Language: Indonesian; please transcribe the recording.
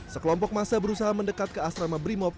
sekelompok masa berusaha mendekat ke asrama brimob